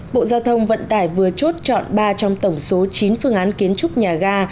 bộ giao thông vận tải vừa chốt chọn ba trong tổng số chín phương án kiến trúc nhà ga